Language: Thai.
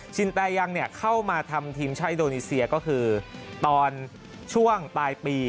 แตยังเข้ามาทำทีมชาติอินโดนีเซียก็คือตอนช่วงปลายปี